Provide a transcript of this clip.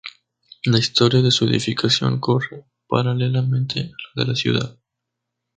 La historia de su edificación corre paralelamente a la de la ciudad.